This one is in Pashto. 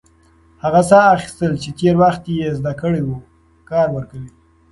هغه ساه اخیستل چې تېر وخت يې زده کړی و، کار ورکوي.